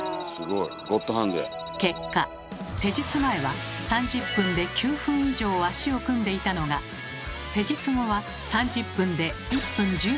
結果施術前は３０分で９分以上足を組んでたのが施術後は３０分で１分１３秒に。